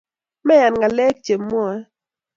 Meyan ngalek chemwae